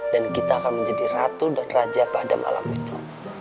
dan kita akan menjadi ratu dan raja pada malam itu